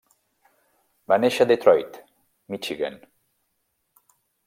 Va néixer a Detroit, Michigan.